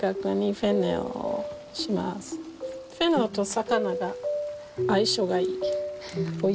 フェンネルと魚は相性がいい。